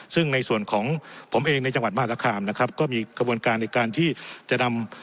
ซึ่งในส่วนของผมเองในจังหวัดมหาธคามนะครับก็มีกระบวนการในการที่จะนำ